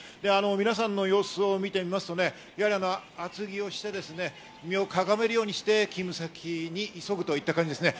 皆さんの様子を見てみますと、厚着をして身をかがめるようにして勤務先に急ぐといった感じですね。